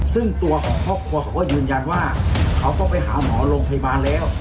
ซึ่งตัวของครอบครัวเขาก็ยืนยันว่าเขาต้องไปหาหมอโรงพยาบาลแล้ว